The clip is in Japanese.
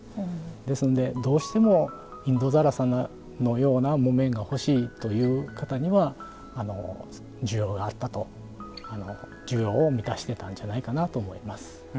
ですのでどうしてもインド更紗のような木綿が欲しいという方には需要があったと需要を満たしてたんじゃないかなと思います。